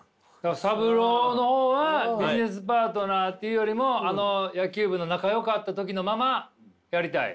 サブローの方はビジネスパートナーというよりもあの野球部の仲よかった時のままやりたい？